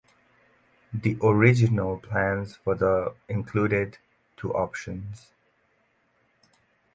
The original plans for the included two options.